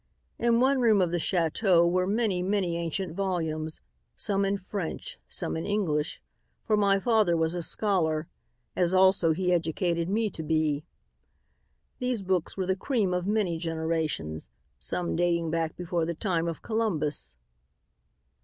"In one room of the chateau were many, many ancient volumes, some in French, some in English, for my father was a scholar, as also he educated me to be. "These books were the cream of many generations, some dating back before the time of Columbus."